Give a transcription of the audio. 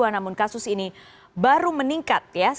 namun kasus ini baru meningkat ya